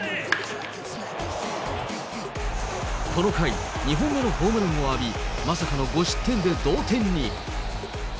この回、２本目のホームランを浴び、まさかの５失点で同点に。